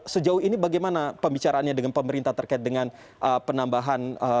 sejauh ini bagaimana pembicaraannya dengan pemerintah terkait dengan penambahan